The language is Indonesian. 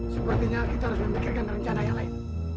sepertinya kita harus memikirkan rencana yang lain